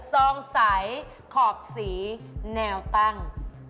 สองสัยขอบสีแนวตั้ง